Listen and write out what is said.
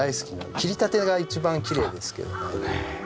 切りたてが一番きれいですけどね。